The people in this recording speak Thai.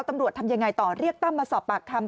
ตำรวจทำยังไงต่อเรียกตั้มมาสอบปากคำ